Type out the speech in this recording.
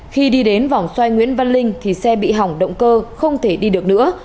khi đi đến vòng xoay nguyễn văn linh thì xe bị hỏng động cơ không thể đi được nữa